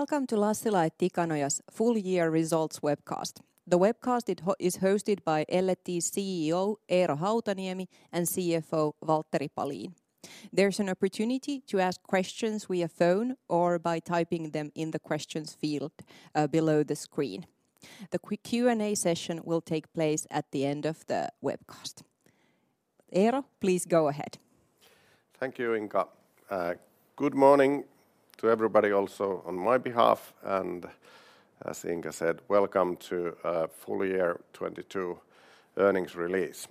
Welcome to Lassila & Tikanoja's full year results webcast. The webcast it is hosted by L&T's CEO, Eero Hautaniemi, and CFO, Valtteri Palin. There's an opportunity to ask questions via phone or by typing them in the questions field, below the screen. The Q&A session will take place at the end of the webcast. Eero, please go ahead. Thank you, Inka. Good morning to everybody also on my behalf, and as Inka said, welcome to full year 2022 earnings release.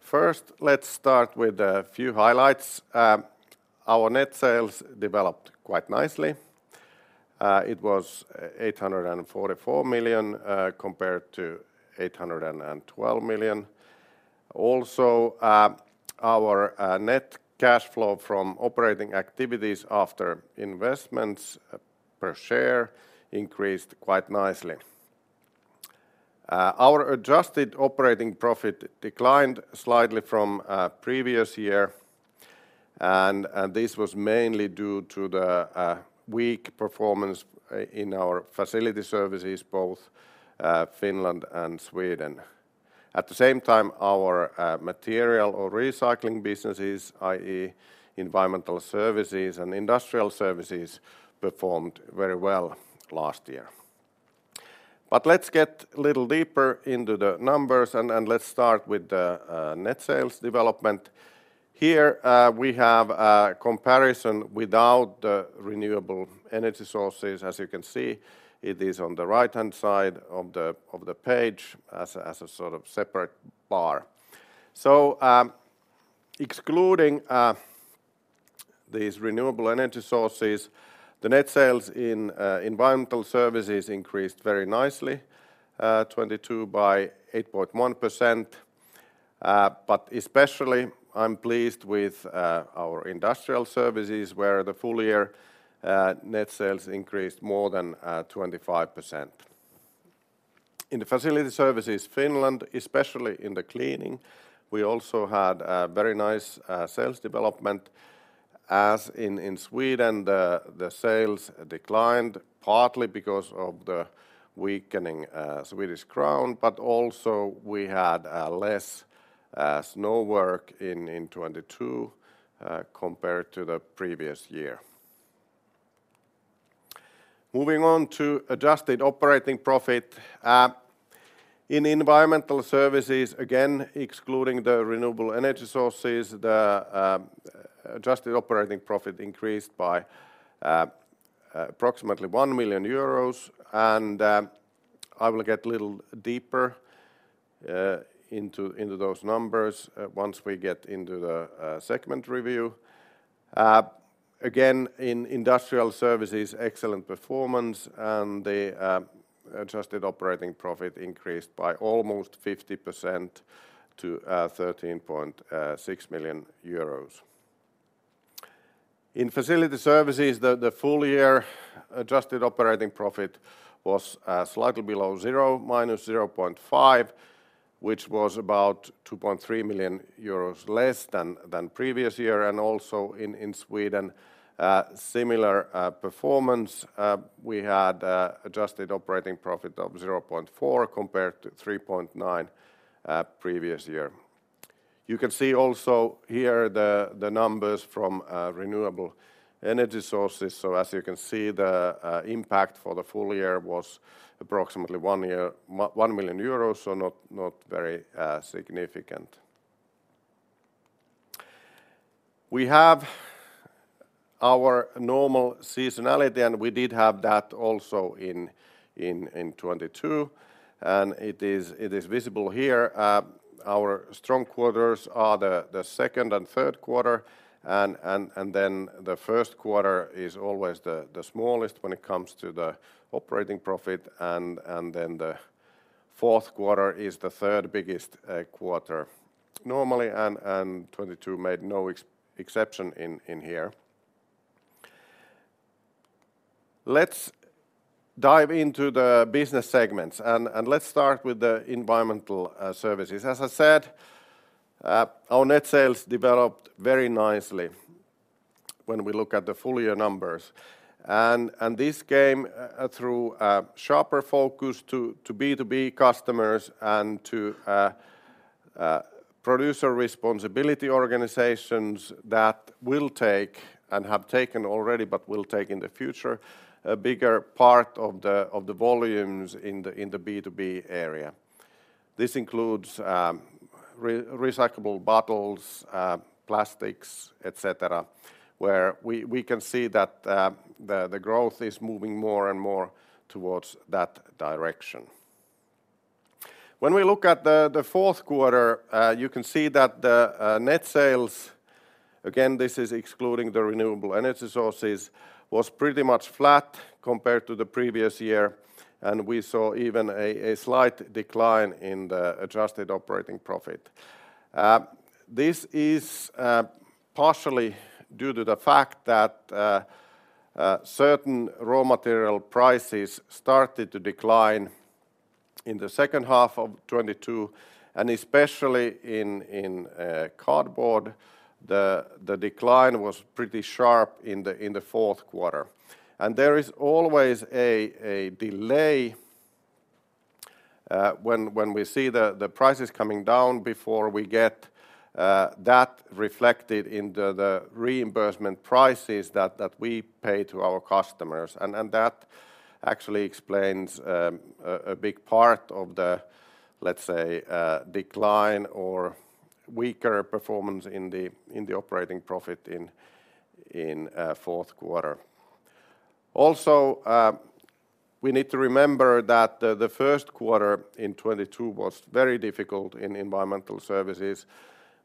First, let's start with a few highlights. Our net sales developed quite nicely. It was 844 million compared to 812 million. Also, our net cash flow from operating activities after investments per share increased quite nicely. Our adjusted operating profit declined slightly from previous year and this was mainly due to the weak performance in our facility services, both Finland and Sweden. At the same time, our material or recycling businesses, i.e. Environmental Services and Industrial Services, performed very well last year. Let's get a little deeper into the numbers and let's start with the net sales development. Here, we have a comparison without the renewable energy sources. As you can see, it is on the right-hand side of the page as a sort of separate bar. Excluding these Renewable Energy Sources, the net sales in Environmental Services increased very nicely 2022 by 8.1%, but especially I'm pleased with our Industrial Services where the full year net sales increased more than 25%. In the Facility Services Finland, especially in the cleaning, we also had a very nice sales development. In Sweden, the sales declined partly because of the weakening Swedish crown, but also we had less snow work in 2022 compared to the previous year. Moving on to adjusted operating profit. In Environmental Services, again, excluding the renewable energy sources, the adjusted operating profit increased by approximately 1 million euros, and I will get a little deeper into those numbers once we get into the segment review. Again, in Industrial Services, excellent performance, and the adjusted operating profit increased by almost 50% to 13.6 million euros. In Facility Services, the full year adjusted operating profit was slightly below zero, -0.5, which was about 2.3 million euros less than previous year. Also in Sweden, similar performance. We had adjusted operating profit of 0.4 compared to 3.9 previous year. You can see also here the numbers from renewable energy sources. As you can see, the impact for the full year was approximately 1 million euros, not very significant. We have our normal seasonality, we did have that also in 2022, and it is visible here. Our strong quarters are the second and third quarter, and then the first quarter is always the smallest when it comes to the operating profit, and then the fourth quarter is the third biggest quarter normally, and 2022 made no exception in here. Let's dive into the business segments, and let's start with the Environmental Services. As I said, our net sales developed very nicely when we look at the full year numbers. This came through a sharper focus to B2B customers and to producer responsibility organizations that will take and have taken already, but will take in the future a bigger part of the volumes in the B2B area. This includes re-recyclable bottles, plastics, et cetera, where we can see that the growth is moving more and more towards that direction. When we look at the fourth quarter, you can see that the net sales, again, this is excluding the renewable energy sources, was pretty much flat compared to the previous year. We saw even a slight decline in the adjusted operating profit. This is partially due to the fact that certain raw material prices started to decline in the second half of 2022, especially in cardboard, the decline was pretty sharp in the fourth quarter. There is always a delay when we see the prices coming down before we get that reflected in the reimbursement prices that we pay to our customers. That actually explains a big part of the let's say, decline or weaker performance in the operating profit in fourth quarter. Also, we need to remember that the first quarter in 2022 was very difficult in Environmental Services.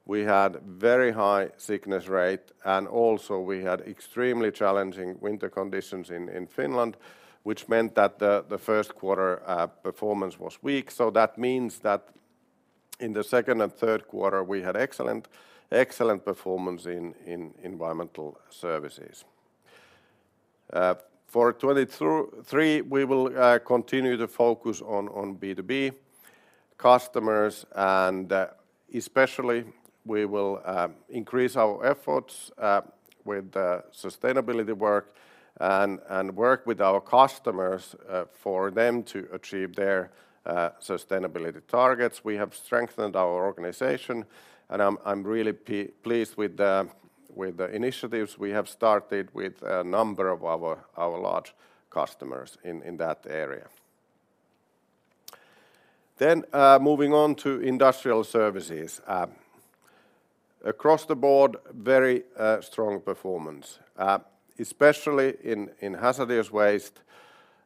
We had very high sickness rate, and also we had extremely challenging winter conditions in Finland, which meant that the first quarter performance was weak. That means that in the second and third quarter, we had excellent performance in Environmental Services. For 2023, we will continue to focus on B2B customers, and especially we will increase our efforts with the sustainability work and work with our customers for them to achieve their sustainability targets. We have strengthened our organization, and I'm really pleased with the initiatives we have started with a number of our large customers in that area. Moving on to Industrial Services. Across the board, very strong performance. Especially in hazardous waste,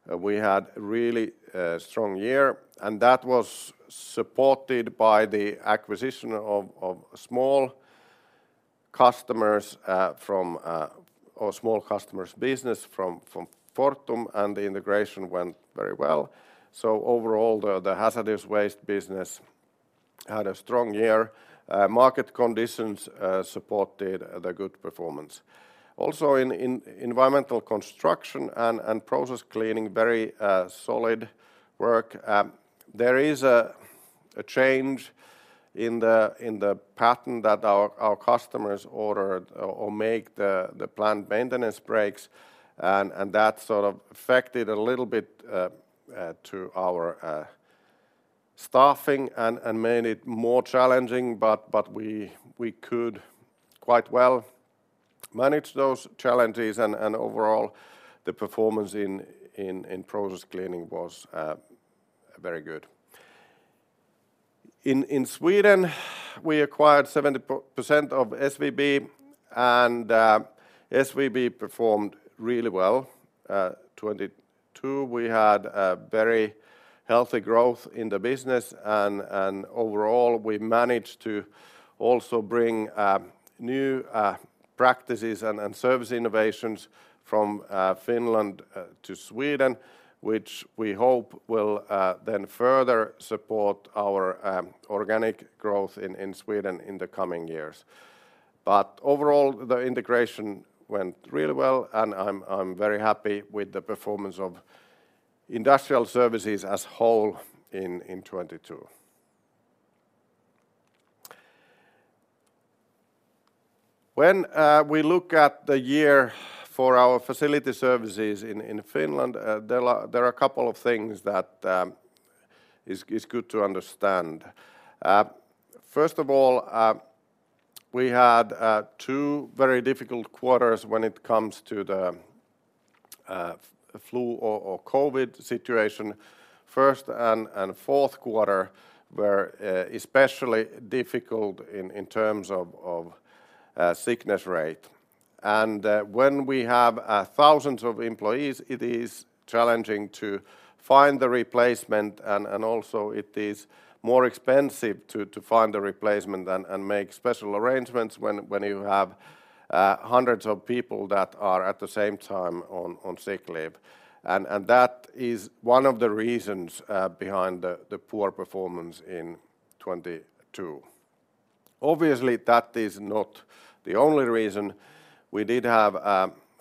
we had a really strong year. That was supported by the acquisition of small customers' business from Fortum. The integration went very well. Overall, the hazardous waste business had a strong year. Market conditions supported the good performance. Also in environmental construction and process cleaning, very solid work. There is a change in the pattern that our customers ordered or make the plant maintenance breaks and that sort of affected a little bit to our staffing and made it more challenging. We could quite well manage those challenges and overall the performance in process cleaning was very good. In Sweden, we acquired 70% of SVB and SVB performed really well. 2022, we had a very healthy growth in the business and overall we managed to also bring new practices and service innovations from Finland to Sweden, which we hope will then further support our organic growth in Sweden in the coming years. Overall, the integration went really well, and I'm very happy with the performance of Industrial Services as whole in 2022. When we look at the year for our Facility Services in Finland, there are a couple of things that is good to understand. First of all, we had two very difficult quarters when it comes to the flu or COVID situation. First and fourth quarter were especially difficult in terms of sickness rate. When we have thousands of employees, it is challenging to find the replacement and also it is more expensive to find the replacement and make special arrangements when you have hundreds of people that are at the same time on sick leave. That is one of the reasons behind the poor performance in 2022. Obviously, that is not the only reason. We did have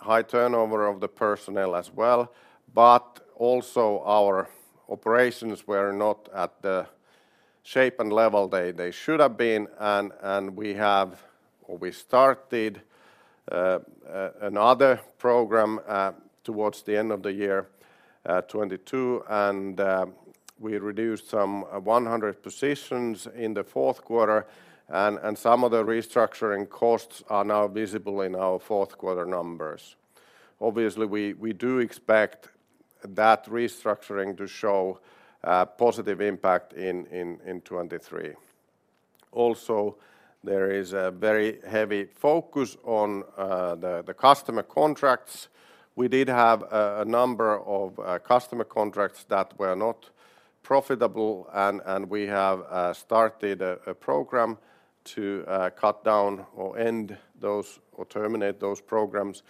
high turnover of the personnel as well, but also our operations were not at the shape and level they should have been. We have, or we started another program towards the end of the year 2022. We reduced some 100 positions in the fourth quarter and some of the restructuring costs are now visible in our fourth quarter numbers. Obviously, we do expect that restructuring to show a positive impact in 2023. There is a very heavy focus on the customer contracts. We did have a number of customer contracts that were not profitable and we have started a program to cut down or end those or terminate those programs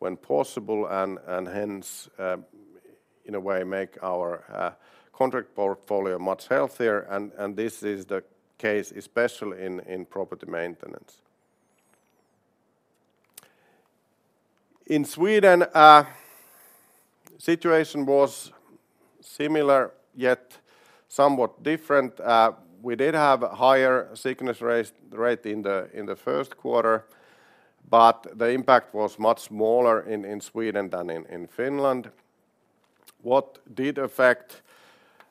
when possible and hence in a way make our contract portfolio much healthier. This is the case especially in property maintenance. In Sweden, situation was similar yet somewhat different. We did have higher sickness rate in the first quarter. The impact was much smaller in Sweden than in Finland. What did affect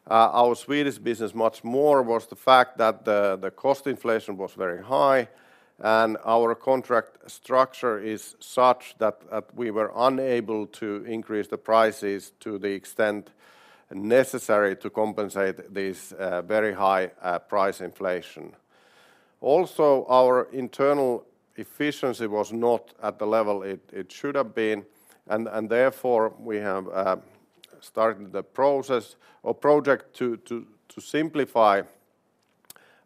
our Swedish business much more was the fact that the cost inflation was very high. Our contract structure is such that we were unable to increase the prices to the extent necessary to compensate this very high price inflation. Our internal efficiency was not at the level it should have been and therefore, we have started the process or project to Simplify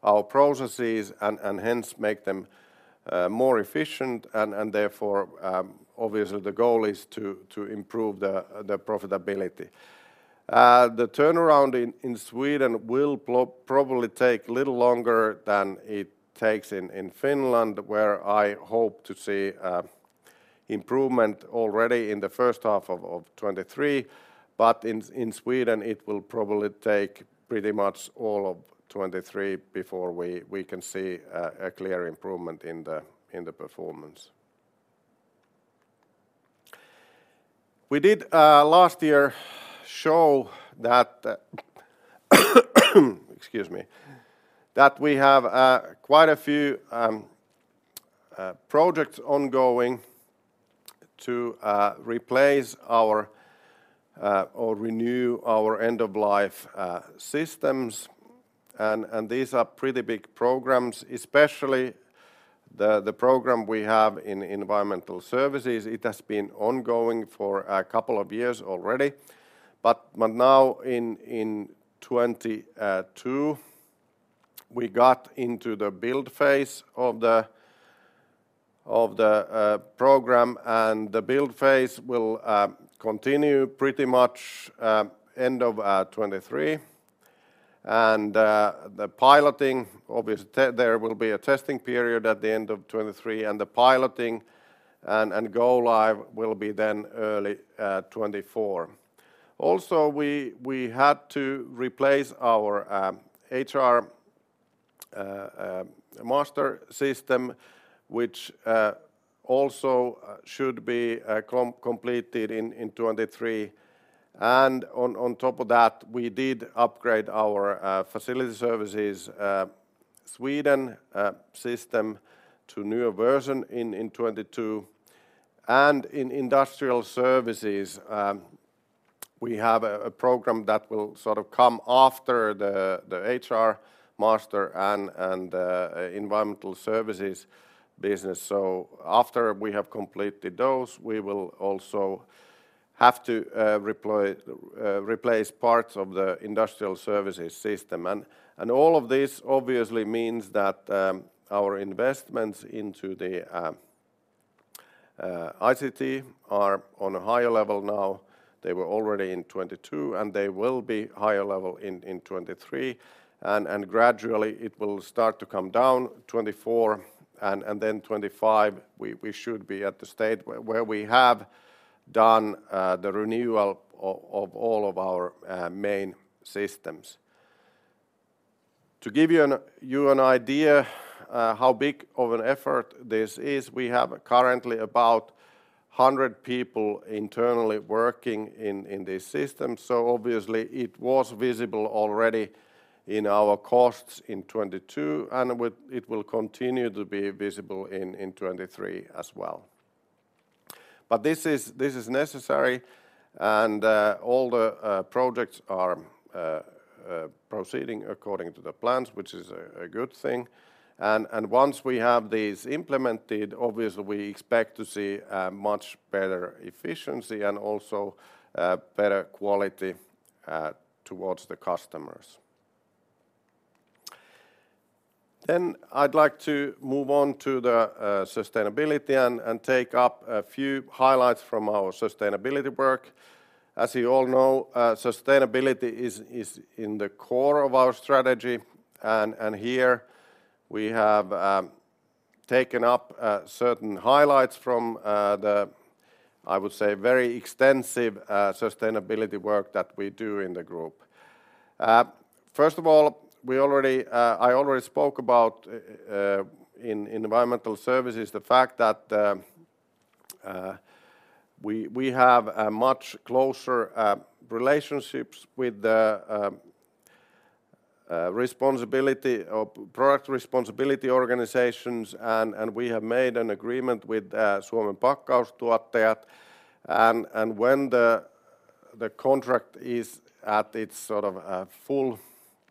our processes and hence make them more efficient and therefore, obviously the goal is to improve the profitability. The turnaround in Sweden will probably take a little longer than it takes in Finland, where I hope to see improvement already in the first half of 2023. In Sweden, it will probably take pretty much all of 2023 before we can see a clear improvement in the performance. We did last year show that excuse me, that we have quite a few projects ongoing to replace our or renew our end-of-life systems and these are pretty big programs, especially the program we have in environmental services. It has been ongoing for a couple of years already. Now in 2022, we got into the build phase of the program, and the build phase will continue pretty much end of 2023. The piloting, there will be a testing period at the end of 2023, and the piloting and go live will be early 2024. Also, we had to replace our HR master system, which also should be completed in 2023. On top of that, we did upgrade our Facility Services Sweden system to newer version in 2022. In Industrial Services, we have a program that will sort of come after the HR master and Environmental Services business. After we have completed those, we will also have to replace parts of the Industrial Services system. All of this obviously means that our investments into the ICT are on a higher level now. They were already in 2022, and they will be higher level in 2023. Gradually it will start to come down 2024 and then 2025, we should be at the state where we have done the renewal of all of our main systems. To give you an idea how big of an effort this is, we have currently about 100 people internally working in this system. Obviously it was visible already in our costs in 2022, and it will continue to be visible in 2023 as well. This is necessary, and all the projects are proceeding according to the plans, which is a good thing. Once we have these implemented, obviously we expect to see a much better efficiency and also, better quality towards the customers. I'd like to move on to the sustainability and take up a few highlights from our sustainability work. As you all know, sustainability is in the core of our strategy and here we have taken up certain highlights from the I would say very extensive sustainability work that we do in the group. First of all, we already, I already spoke about in Environmental Services the fact that we have a much closer relationships with the responsibility or product responsibility organizations. We have made an agreement with Suomen Pakkaustuottajat, and when the contract is at its sort of full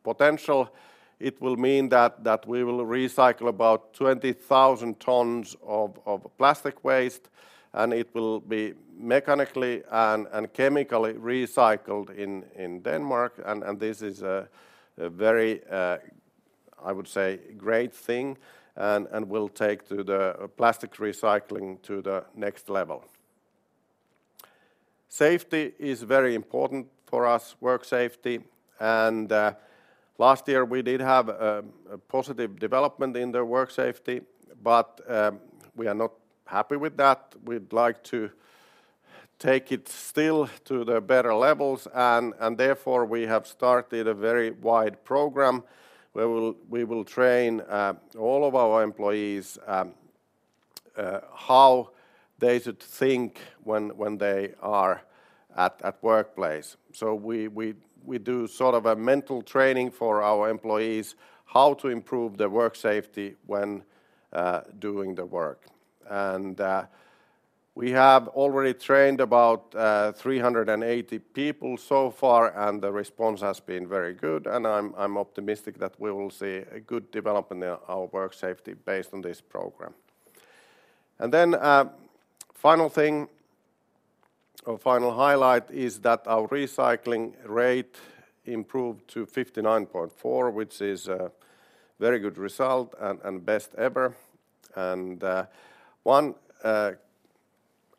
potential, it will mean that we will recycle about 20,000 tons of plastic waste, and it will be mechanically and chemically recycled in Denmark, and this is a very, I would say, great thing and will take to the plastics recycling to the next level. Safety is very important for us, work safety. Last year we did have a positive development in the work safety, but we are not happy with that. We'd like to take it still to the better levels and, therefore, we have started a very wide program where we will train all of our employees how they should think when they are at workplace. We do sort of a mental training for our employees how to improve their work safety when doing the work. We have already trained about 380 people so far, and the response has been very good, and I'm optimistic that we will see a good development in our work safety based on this program. Final thing or final highlight is that our recycling rate improved to 59.4, which is a very good result and best ever. One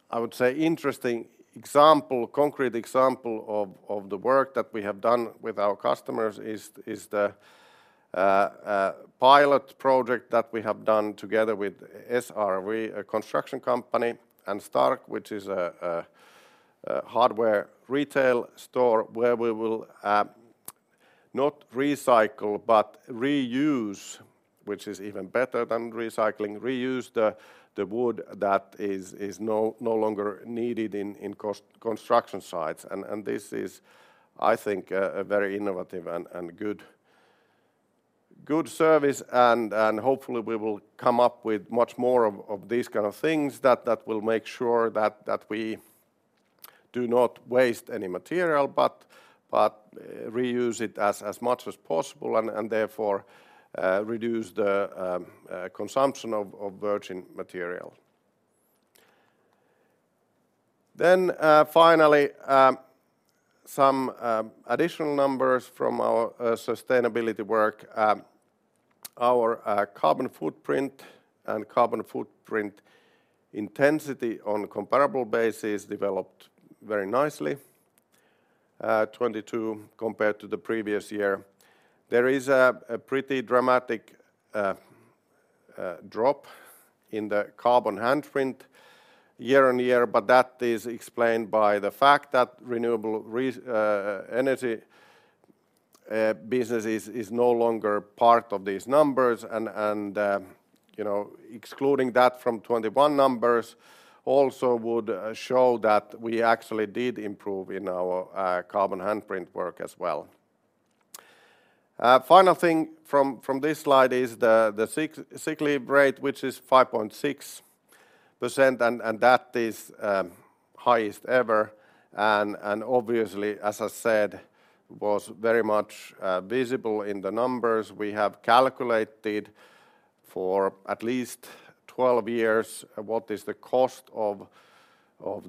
I would say interesting example, concrete example of the work that we have done with our customers is the pilot project that we have done together with SRV, a construction company, and STARK, which is a hardware retail store where we will not recycle but reuse, which is even better than recycling, reuse the wood that is no longer needed in construction sites. This is, I think, a very innovative and good service, and hopefully we will come up with much more of these kind of things that will make sure that we do not waste any material, but reuse it as much as possible and therefore reduce the consumption of virgin material. Finally, some additional numbers from our sustainability work. Our carbon footprint and carbon footprint intensity on comparable basis developed very nicely, 2022 compared to the previous year. There is a pretty dramatic drop in the carbon handprint year on year, that is explained by the fact that renewable energy business is no longer part of these numbers and, you know, excluding that from 2021 numbers also would show that we actually did improve in our carbon handprint work as well. Final thing from this slide is the sick leave rate, which is 5.6%, and that is highest ever and obviously, as I said, was very much visible in the numbers. We have calculated for at least 12 years what is the cost of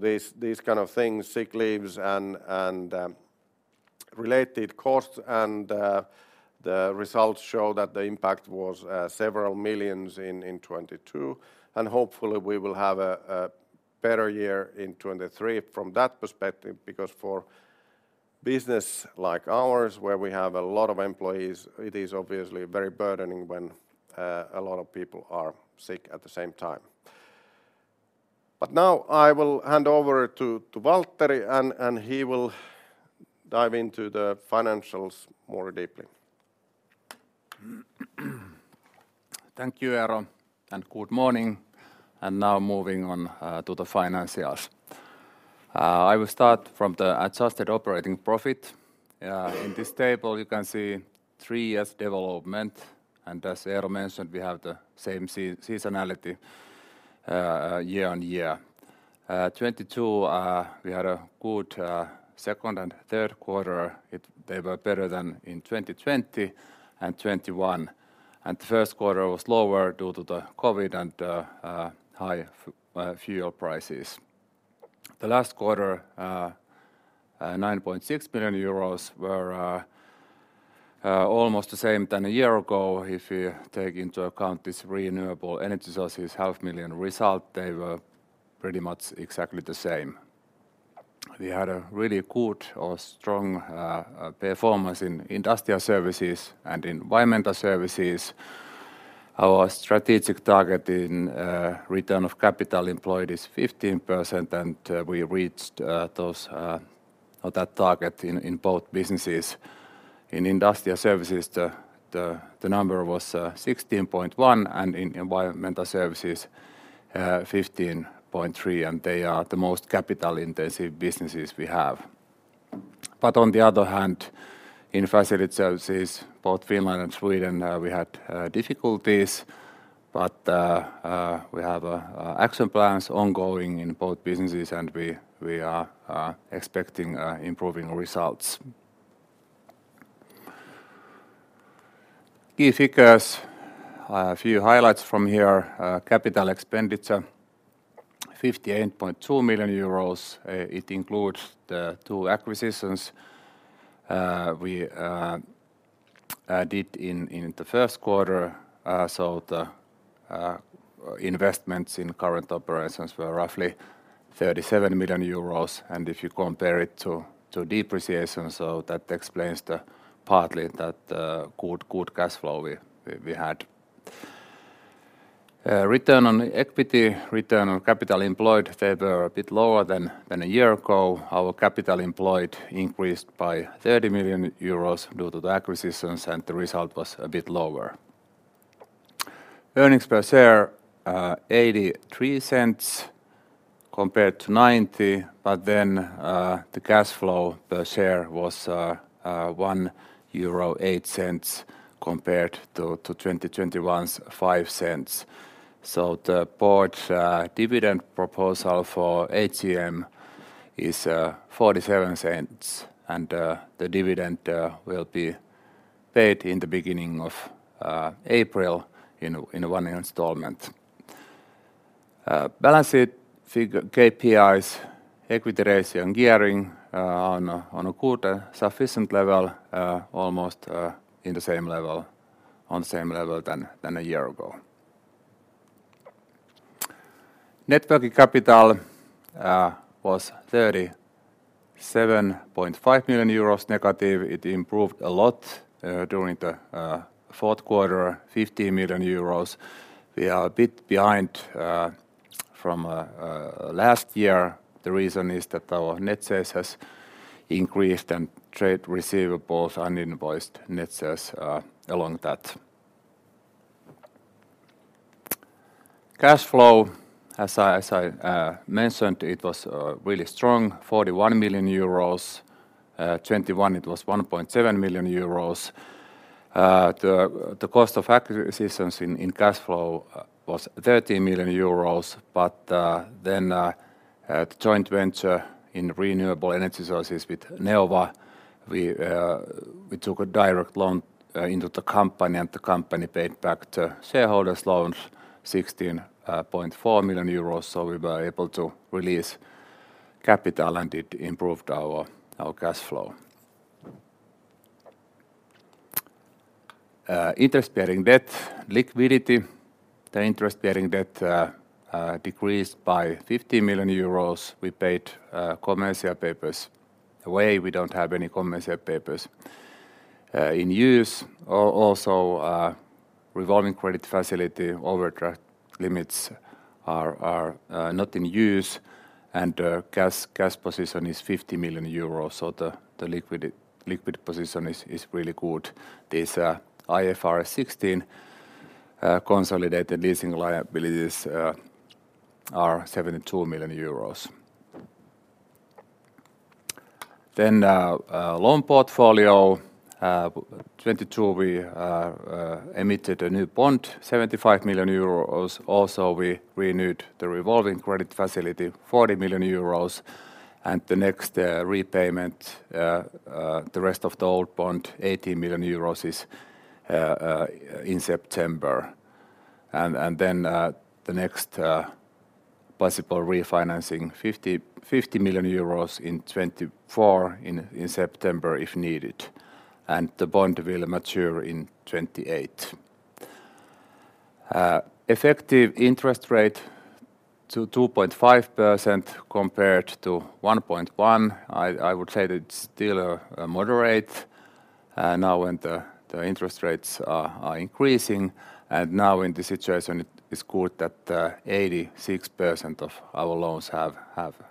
these kind of things, sick leaves and related costs. The results show that the impact was several millions in 2022. Hopefully we will have a better year in 2023 from that perspective, because for business like ours, where we have a lot of employees, it is obviously very burdening when a lot of people are sick at the same time. Now I will hand over to Valtteri and he will dive into the financials more deeply. Thank you, Eero, good morning. Now moving on to the financials. I will start from the adjusted operating profit. In this table, you can see three years development, and as Eero mentioned, we have the same seasonality year-on-year. 2022, we had a good second and third quarter. They were better than in 2020 and 2021, and the first quarter was lower due to the COVID and high fuel prices. The last quarter, 9.6 million euros were almost the same than a year ago if you take into account this Renewable Energy Sources EUR half million result. They were pretty much exactly the same. We had a really good or strong performance in Industrial Services and Environmental Services. Our strategic target in return on capital employed is 15%. We reached those or that target in both businesses. In Industrial Services, the number was 16.1%, and in Environmental Services, 15.3%, and they are the most capital-intensive businesses we have. On the other hand, in Facility Services, both Finland and Sweden, we had difficulties, but we have action plans ongoing in both businesses. We are expecting improving results. Key figures. A few highlights from here. capital expenditure, 58.2 million euros. It includes the 2 acquisitions. We did in the first quarter, so the investments in current operations were roughly 37 million euros, and if you compare it to depreciation, that partly explains the good cash flow we had. Return on equity, return on capital employed, they were a bit lower than a year ago. Our capital employed increased by 30 million euros due to the acquisitions, and the result was a bit lower. Earnings per share, 0.83 compared to 0.90. The cash flow per share was 1.08 euro compared to 2021's 0.05. The board's dividend proposal for AGM is 0.47, and the dividend will be paid in the beginning of April in a one-year installment. Balance sheet KPIs, equity ratio, and gearing, on a good sufficient level, almost on the same level than a year ago. Net working capital was 37.5 million euros negative. It improved a lot during the fourth quarter, 50 million euros. We are a bit behind from last year. The reason is that our net sales has increased, and trade receivables un-invoiced net sales, along that. Cash flow, as I mentioned, it was really strong, 41 million euros. 2021 it was 1.7 million euros. The cost of acquisitions in cash flow was 13 million euros, but then the joint venture in Renewable Energy Sources with Neova, we took a direct loan into the company, and the company paid back the shareholders' loans 16.4 million euros, so we were able to release capital, and it improved our cash flow. Interest-bearing debt, liquidity. The interest-bearing debt decreased by 50 million euros. We paid commercial papers away. We don't have any commercial papers in use. Also, revolving credit facility overdraft limits are not in use, and cash position is 50 million euros, so the liquid position is really good. These IFRS 16 consolidated leasing liabilities are EUR 72 million. Loan portfolio. 2022 we emitted a new bond, 75 million euros. Also, we renewed the revolving credit facility, 40 million euros, and the next repayment, the rest of the old bond, 80 million euros, is in September. Then, the next possible refinancing, 50 million euros in 2024 in September if needed, and the bond will mature in 2028. Effective interest rate to 2.5% compared to 1.1%. I would say that it's still a moderate now when the interest rates are increasing. Now in this situation it is good that 86% of our loans have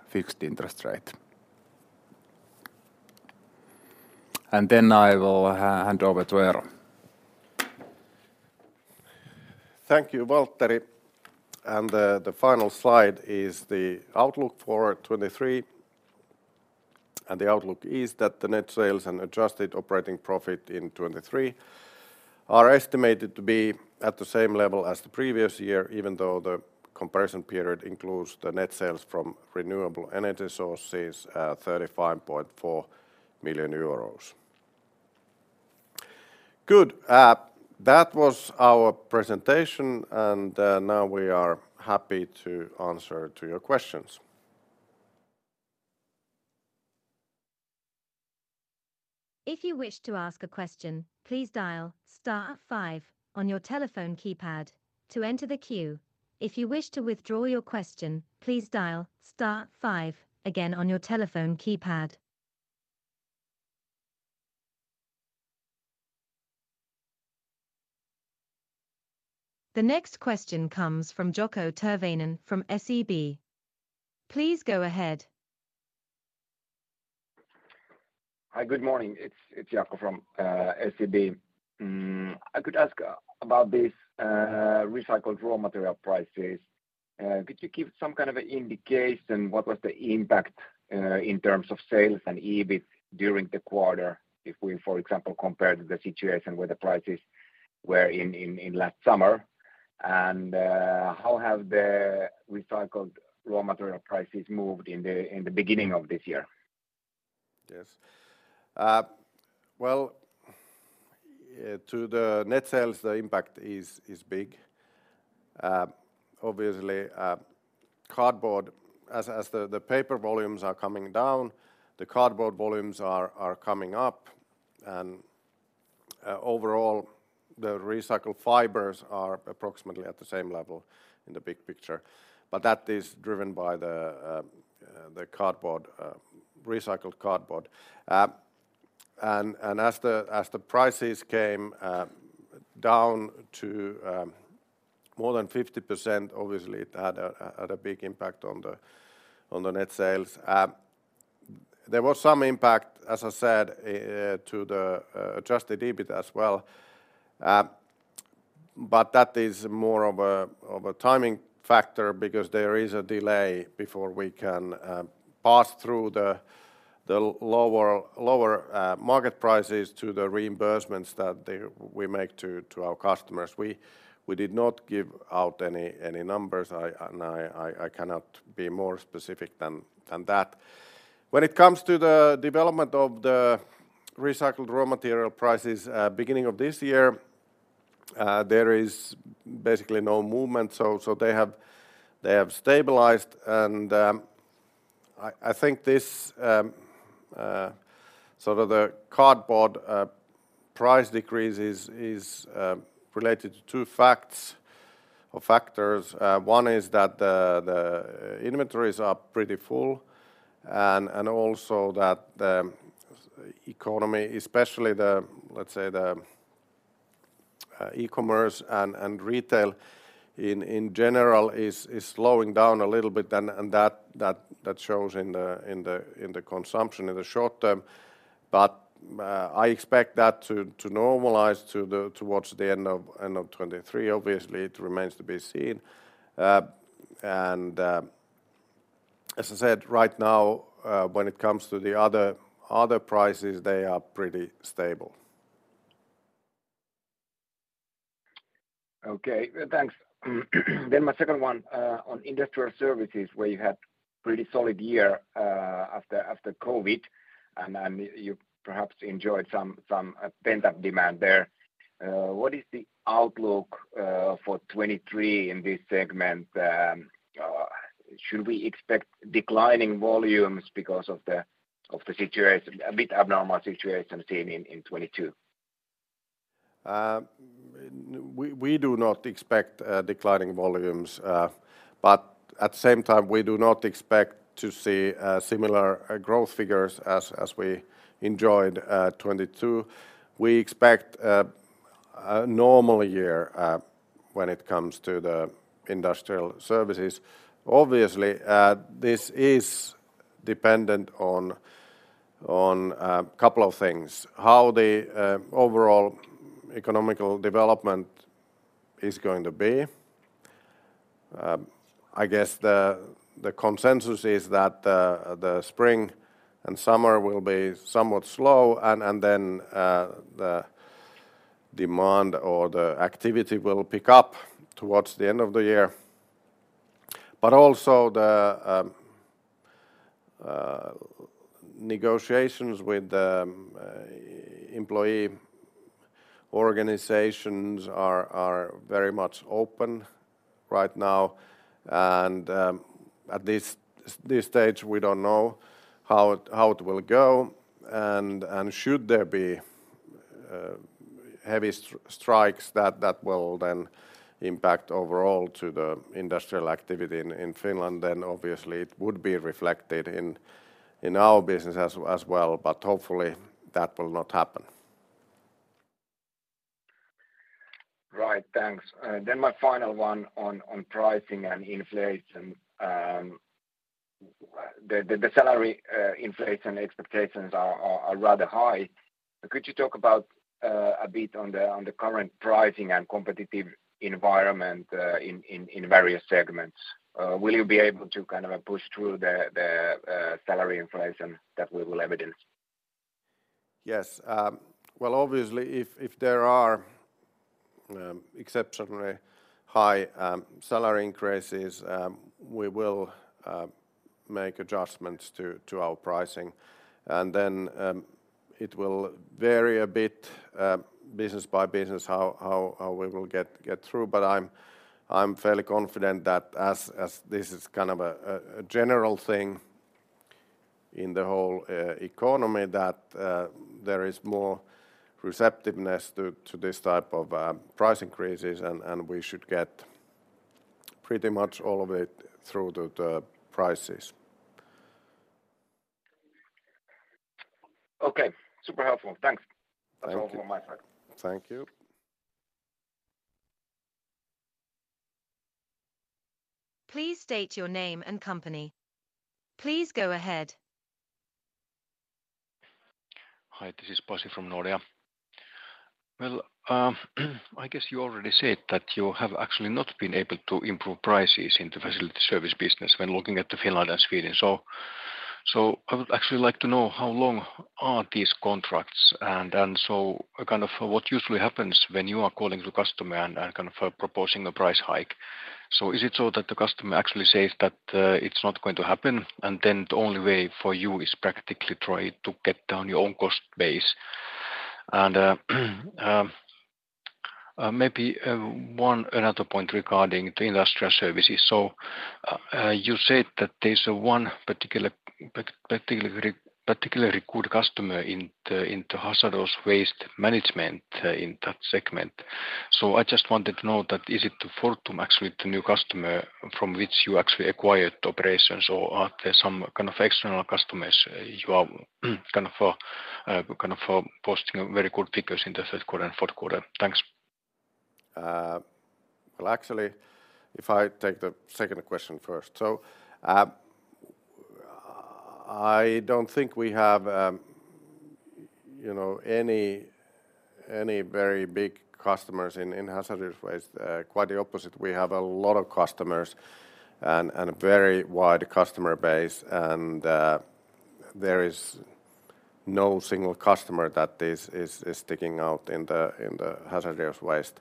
fixed interest rate. Then I will hand over to Eero. Thank you, Valtteri. The final slide is the outlook for 2023, the outlook is that the net sales and adjusted operating profit in 2023 are estimated to be at the same level as the previous year, even though the comparison period includes the net sales from renewable energy sources, 35.4 million euros. Good. That was our presentation, now we are happy to answer to your questions. If you wish to ask a question, please dial star five on your telephone keypad to enter the queue. If you wish to withdraw your question, please dial star five again on your telephone keypad. The next question comes from Jaakko Tyrväinen from SEB. Please go ahead. Hi, good morning. It's Jaakko from SEB. I could ask about this recycled raw material prices. Could you give some kind of an indication what was the impact in terms of sales and EBIT during the quarter if we, for example, compared to the situation where the prices were in last summer? How have the recycled raw material prices moved in the beginning of this year? Yes. Well, to the net sales, the impact is big. Obviously, as the paper volumes are coming down, the cardboard volumes are coming up, and overall, the recycled fibers are approximately at the same level in the big picture. That is driven by the cardboard recycled cardboard. As the prices came down to more than 50%, obviously it had a big impact on the net sales. There was some impact, as I said, to the adjusted EBIT as well. That is more of a timing factor because there is a delay before we can pass through the lower market prices to the reimbursements that we make to our customers. We did not give out any numbers. I cannot be more specific than that. When it comes to the development of the recycled raw material prices, beginning of this year, there is basically no movement. They have stabilized, and I think this sort of the cardboard price decrease is related to two facts or factors. One is that the inventories are pretty full. Also, the economy, especially the, let's say, the e-commerce and retail in general, is slowing down a little bit, and that shows in the consumption in the short term. I expect that to normalize towards the end of 2023. Obviously, it remains to be seen. As I said, right now, when it comes to the other prices, they are pretty stable. Okay. Thanks. My second one on Industrial Services where you had pretty solid year after COVID, and you perhaps enjoyed some pent-up demand there. What is the outlook for 2023 in this segment? Should we expect declining volumes because of the abnormal situation seen in 2022? We do not expect declining volumes. At the same time, we do not expect to see similar growth figures as we enjoyed 2022. We expect a normal year when it comes to the Industrial Services. Obviously, this is dependent on a couple of things: how the overall economical development is going to be. I guess the consensus is that the spring and summer will be somewhat slow and then the demand or the activity will pick up towards the end of the year. Also the negotiations with the employee organizations are very much open right now, and at this stage, we don't know how it will go. Should there be heavy strikes that will then impact overall to the industrial activity in Finland, then obviously it would be reflected in our business as well. Hopefully that will not happen. Right. Thanks. My final one on pricing and inflation. The salary inflation expectations are rather high. Could you talk about a bit on the current pricing and competitive environment in various segments? Will you be able to kind of push through the salary inflation that we will evidence? Yes. Well, obviously, if there are exceptionally high salary increases, we will make adjustments to our pricing. It will vary a bit business by business how we will get through. I'm fairly confident that as this is kind of a general thing in the whole economy that there is more receptiveness to this type of price increases and we should get pretty much all of it through the prices. Okay. Super helpful. Thanks. Thank you. That's all from my side. Thank you. Please state your name and company. Please go ahead. Hi, this is Pasi from Nordea. Well, I guess you already said that you have actually not been able to improve prices in the facility service business when looking at the Finland and Sweden. I would actually like to know how long are these contracts and kind of what usually happens when you are calling the customer and kind of proposing a price hike. Is it so that the customer actually says that it's not going to happen, and then the only way for you is practically try to get down your own cost base? Maybe one another point regarding the Industrial Services. You said that there's one particularly good customer in the hazardous waste management in that segment. I just wanted to know that is it the Fortum actually the new customer from which you actually acquired operations or are there some kind of external customers you are kind of, kind of posting very good figures in the third quarter and fourth quarter? Thanks. Well, actually, if I take the second question first. I don't think we have, you know, any very big customers in hazardous waste. Quite the opposite. We have a lot of customers and a very wide customer base. There is no single customer that is sticking out in the hazardous waste.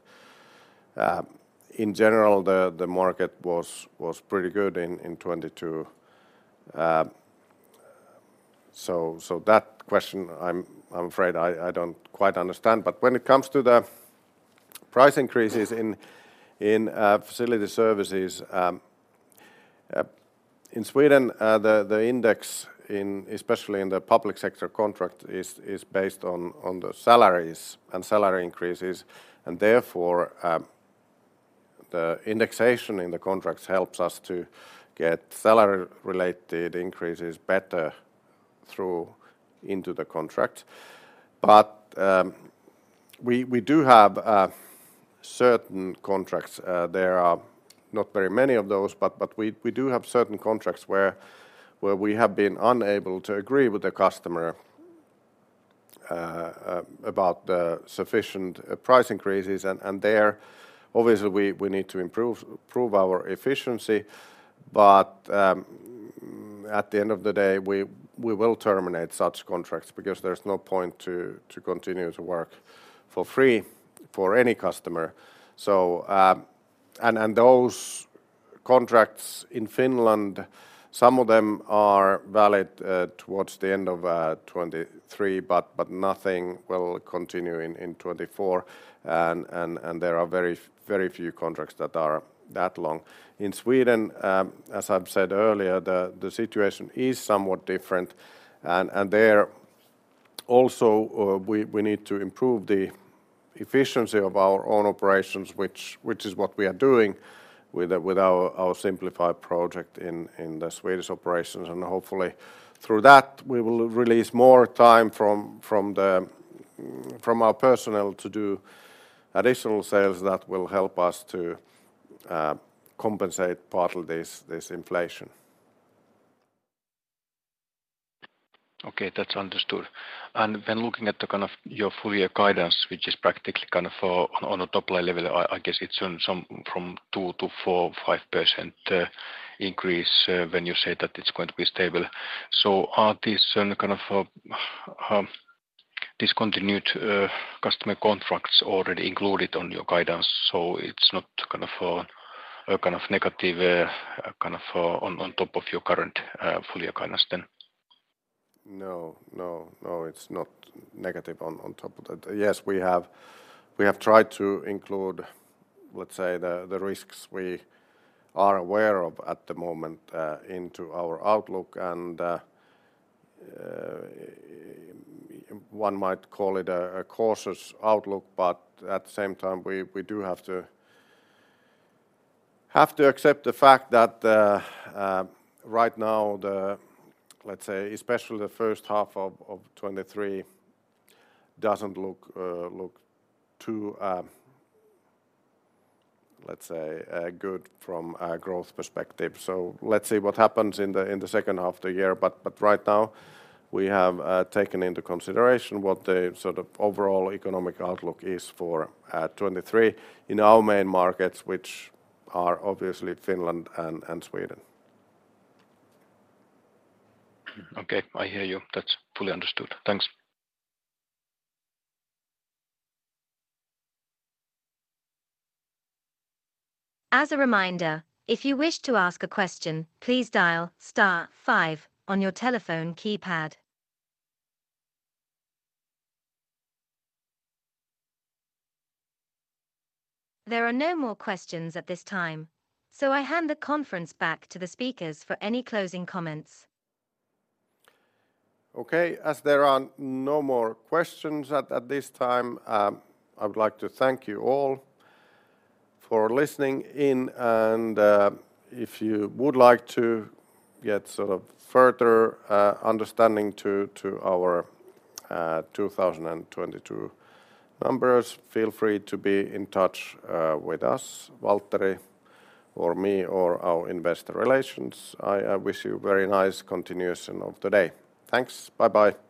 In general, the market was pretty good in 2022. That question I'm afraid I don't quite understand. When it comes to the price increases in Facility Services in Sweden, the index in especially in the public sector contract is based on the salaries and salary increases. Therefore, the indexation in the contracts helps us to get salary-related increases better through into the contract. We do have certain contracts. There are not very many of those, but we do have certain contracts where we have been unable to agree with the customer about the sufficient price increases. There obviously we need to improve our efficiency. At the end of the day, we will terminate such contracts because there's no point to continue to work for free for any customer. Those contracts in Finland, some of them are valid towards the end of 2023, but nothing will continue in 2024. There are very few contracts that are that long. In Sweden, as I've said earlier, the situation is somewhat different. There also, we need to improve the efficiency of our own operations, which is what we are doing with our Simplify project in the Swedish operations. Hopefully through that, we will release more time from our personnel to do additional sales that will help us to compensate part of this inflation. Okay. That's understood. When looking at the kind of your full year guidance, which is practically kind of on a top-line level, I guess it's on some from two to four, 5% increase, when you say that it's going to be stable. Are these kind of discontinued customer contracts already included on your guidance, so it's not kind of a kind of negative kind of on top of your current full year guidance then? No. No. No, it's not negative on top of that. Yes, we have tried to include, let's say, the risks we are aware of at the moment, into our outlook. One might call it a cautious outlook, but at the same time, we do have to accept the fact that, right now the, let's say, especially the first half of 2023 doesn't look too, let's say, good from a growth perspective. Let's see what happens in the second half the year. Right now, we have taken into consideration what the sort of overall economic outlook is for 2023 in our main markets, which are obviously Finland and Sweden. Okay. I hear you. That's fully understood. Thanks. As a reminder, if you wish to ask a question, please dial star five on your telephone keypad. There are no more questions at this time. I hand the conference back to the speakers for any closing comments. Okay. As there are no more questions at this time, I would like to thank you all for listening in. If you would like to get sort of further understanding to our 2022 numbers, feel free to be in touch with us, Valtteri or me or our investor relations. I wish you very nice continuation of the day. Thanks. Bye-bye.